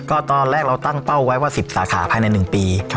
ก็ตอนแรกเราตั้งเป้าไว้ว่า๑๐สาขาภายใน๑ปี